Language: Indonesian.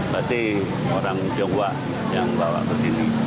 pasti orang tionghoa yang bawa ke sini